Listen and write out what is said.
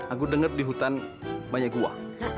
aku dengar di hutan banyak gua